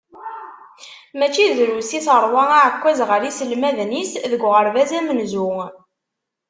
Mačči drus i terwa aɛekkaz ɣer yiselmaden-is deg uɣerbaz amenzu.